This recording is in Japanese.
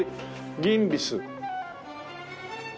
ギンビス。